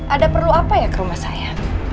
ada perlu apa ya ke rumah saya